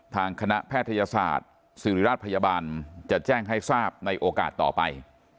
ทางคณะแพทยศาสตร์ศิริราชพยาบาลจะแจ้งให้ทราบในโอกาสต่อไป